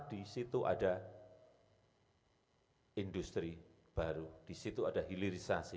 di situ ada industri baru di situ ada hilirisasi